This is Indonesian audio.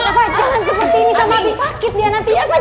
reva jangan seperti ini sama abi sakit dia nanti